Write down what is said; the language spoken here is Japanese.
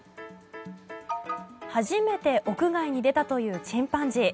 初めて屋外に出たというチンパンジー。